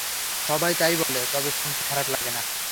সবাই তাই বলে, তবে শুনতে খারাপ লাগেনা।